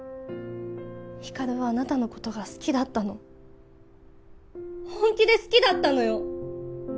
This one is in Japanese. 光琉はあなたのことが好きだったの本気で好きだったのよ